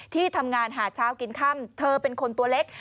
ที่ทำงานหาเช้ากินค่ำเธอเป็นคนตัวเล็ก